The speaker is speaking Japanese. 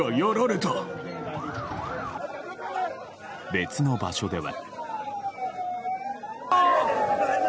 別の場所では。